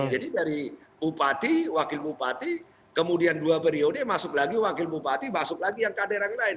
jadi dari upati wakil upati kemudian dua periode masuk lagi wakil upati masuk lagi yang kader yang lain